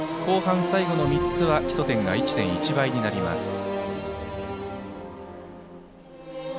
後半最後の３つは基礎点が１．１倍になります。